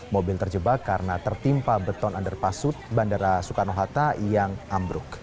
mobil terjebak karena tertimpa beton underpass bandara soekarno hatta yang ambruk